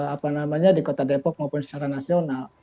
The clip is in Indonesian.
apa namanya di kota depok maupun secara nasional